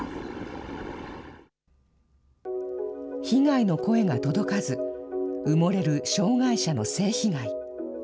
被害の声が届かず、埋もれる障害者の性被害。